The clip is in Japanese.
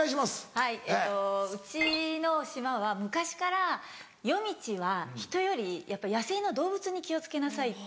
はいうちの島は昔から夜道は人より野生の動物に気を付けなさいって。